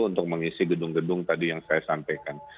untuk mengisi gedung gedung tadi yang saya sampaikan